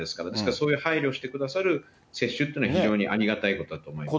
そういう配慮してくださる接種というのは非常にありがたいことだと思います。